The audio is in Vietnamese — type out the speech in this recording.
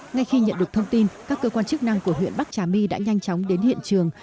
ngay khi nhận được thông tin các cơ quan chức năng của huyện bắc trà my đã nhanh chóng đến hiện trường